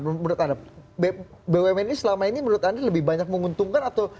menurut anda bumn ini selama ini menurut anda lebih banyak menguntungkan atau